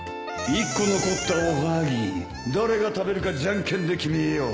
１個残ったおはぎ誰が食べるかじゃんけんで決めよう